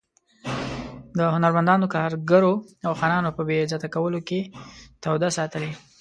د هنرمندانو، کارګرو او خانانو په بې عزته کولو کې توده ساتلې.